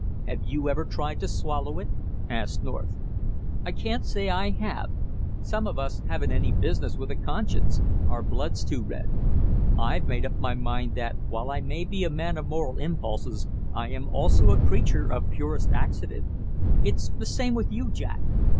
"Have you ever tried to swallow it?" asked North. "I can't say I have. Some of us haven't any business with a conscience our blood's too red. I've made up my mind that, while I may be a man of moral impulses I am also a creature of purest accident. It's the same with you, Jack.